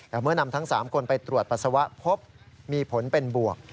แต่เมื่อนำทั้ง๓คนไปตรวจปัสสาวะพบมีผลเป็นบวก